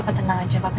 papa tenang aja papa